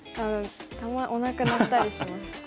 たまにおなか鳴ったりします。